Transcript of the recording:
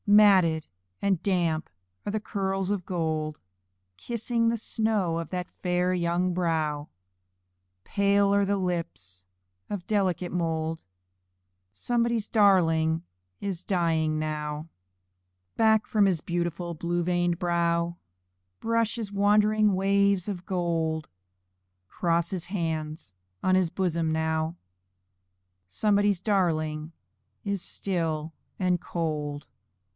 Matted and damp are the curls of gold Kissing the snow of that fair young brow, Pale are the lips of delicate mould Somebody's darling is dying now. Back from his beautiful blue veined brow Brush his wandering waves of gold; Cross his hands on his bosom now Somebody's darling is still and cold.